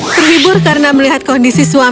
terhibur karena melihat kondisi suami